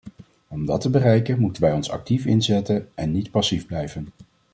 Om dat te bereiken moeten wij ons actief inzetten en niet passief blijven.